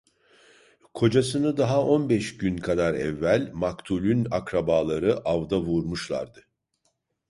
Kocasını daha on beş gün kadar evvel maktulün akrabaları avda vurmuşlardı.